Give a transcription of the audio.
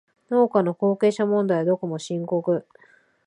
農家の後継者問題はどこも深刻